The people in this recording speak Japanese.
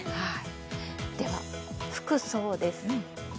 では、服装です。